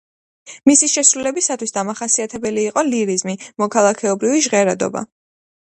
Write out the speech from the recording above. მისი შესრულებისათვის დამახასიათებელი იყო ლირიზმი, მოქალაქეობრივი ჟღერადობა.